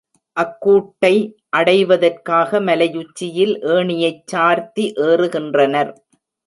அக்கூட்டை அடைவதற்காக மலையுச்சியில் ஏணியைச் சார்த்தி ஏறுகின்றனர்.